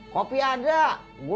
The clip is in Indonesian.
loh apa ini